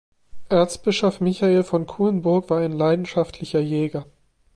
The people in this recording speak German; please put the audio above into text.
Erzbischof Michael von Kuenburg war ein leidenschaftlicher Jäger.